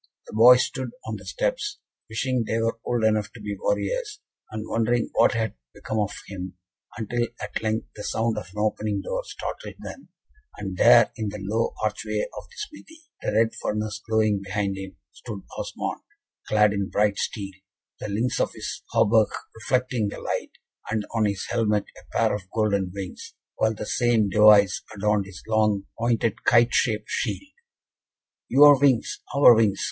The boys stood on the steps, wishing they were old enough to be warriors, and wondering what had become of him, until at length the sound of an opening door startled them, and there, in the low archway of the smithy, the red furnace glowing behind him, stood Osmond, clad in bright steel, the links of his hauberk reflecting the light, and on his helmet a pair of golden wings, while the same device adorned his long pointed kite shaped shield. "Your wings! our wings!"